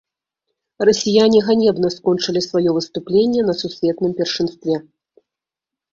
Расіяне ганебна скончылі сваё выступленне на сусветным першынстве.